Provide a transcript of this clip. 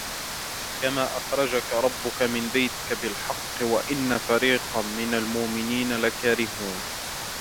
كما أخرجك ربك من بيتك بالحق وإن فريقا من المؤمنين لكارهون